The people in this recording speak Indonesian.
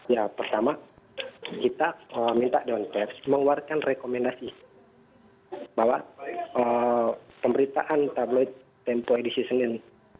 ya pertama kita minta dewan pers mengeluarkan rekomendasi bahwa pemberitaan tabloid tempo edisi senin